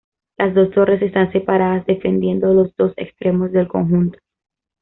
Las dos torres están separadas, defendiendo los dos extremos del conjunto.